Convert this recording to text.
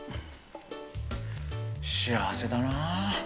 幸せだなー。